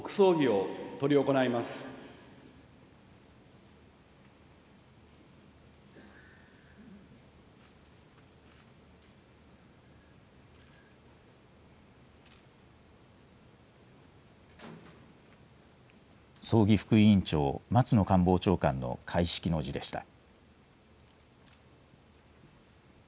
葬儀副委員長、松野官房長官の開式の辞でした。